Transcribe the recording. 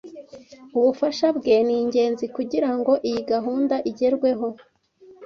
Ubufasha bwe ni ingenzi kugirango iyi gahunda igerweho.